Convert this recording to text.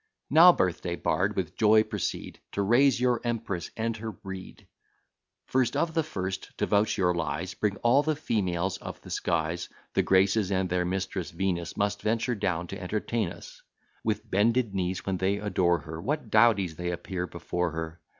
Now, birth day bard, with joy proceed To praise your empress and her breed; First of the first, to vouch your lies, Bring all the females of the skies; The Graces, and their mistress, Venus, Must venture down to entertain us: With bended knees when they adore her, What dowdies they appear before her!